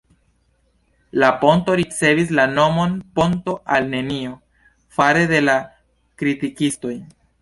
La ponto ricevis la nomon "Ponto al nenio" fare de la kritikistoj.